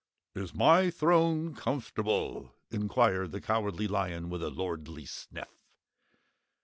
"Is my throne comfortable?" inquired the Cowardly Lion with a lordly sniff.